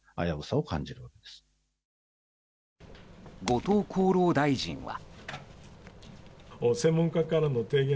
後藤厚労大臣は。